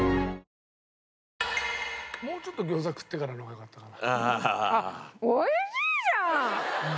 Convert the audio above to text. もうちょっと餃子食ってからの方がよかったかな。